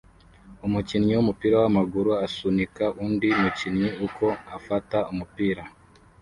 Umukinnyi wumupira wamaguru asunika undi mukinnyi uko afata umupira